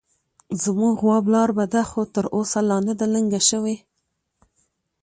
زموږ غوا برالبه ده، خو تر اوسه لا نه ده لنګه شوې